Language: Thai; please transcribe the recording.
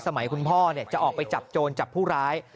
สมัยคุณพ่อเนี่ยจะออกไปจับโจรจับผู้ร้าย